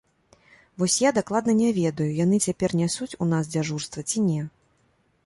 Вось я дакладна не ведаю, яны цяпер нясуць у нас дзяжурства, ці не.